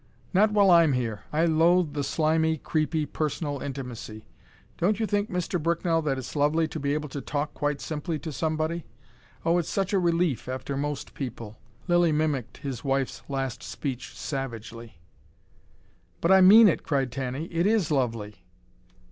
"Not while I'm here. I loathe the slimy creepy personal intimacy. 'Don't you think, Mr. Bricknell, that it's lovely to be able to talk quite simply to somebody? Oh, it's such a relief, after most people '" Lilly mimicked his wife's last speech savagely. "But I MEAN it," cried Tanny. "It is lovely."